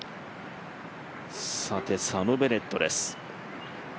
サム・ベネットです。